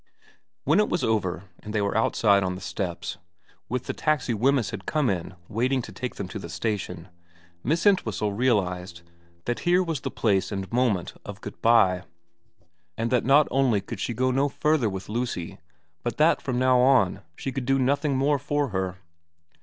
When it was over and they were outside on the steps, with the taxi Wemyss had come in waiting to take them to the station, Miss Entwhistle realised that here was the place and moment of good bye, and that not only could she go no further with Lucy but that from now on she could do nothing more for her.